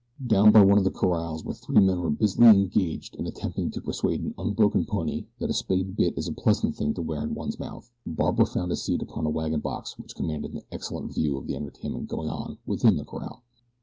Down by one of the corrals where three men were busily engaged in attempting to persuade an unbroken pony that a spade bit is a pleasant thing to wear in one's mouth, Barbara found a seat upon a wagon box which commanded an excellent view of the entertainment going on within the corral.